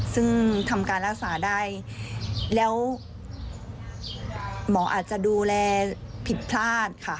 ซึ่งทำการรักษาได้แล้วหมออาจจะดูแลผิดพลาดค่ะ